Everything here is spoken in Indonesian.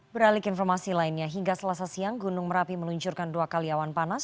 beralik informasi lainnya hingga selasa siang gunung merapi meluncurkan dua kali awan panas